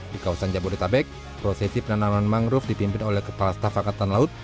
di kawasan jabodetabek prosesi penanaman mangrove dipimpin oleh kepala staf angkatan laut